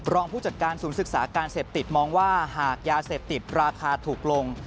ผู้จัดการศูนย์ศึกษาการเสพติดมองว่าหากยาเสพติดราคาถูกลง